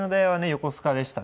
横須賀でしたね。